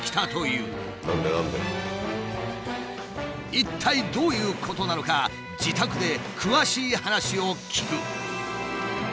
一体どういうことなのか自宅で詳しい話を聞く。